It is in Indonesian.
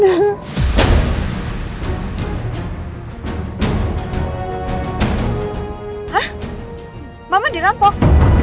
hah mama dirampok